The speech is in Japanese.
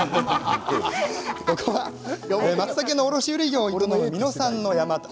ここは、まつたけの卸売り業を営む見野さんの山。